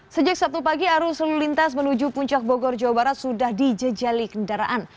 sejak sabtu pagi arus lalu lintas menuju puncak bogor jawa barat sudah dijejali kendaraan